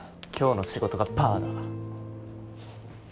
今日の仕事がパーだ。